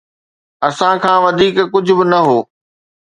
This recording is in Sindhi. اسان کان وڌيڪ ڪجهه به نه هو